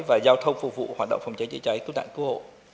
và giao thông phục vụ hoạt động phòng cháy chữa cháy cứu nạn cứu hộ